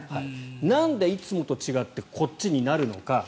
なんでいつもと違ってこっちになるのか。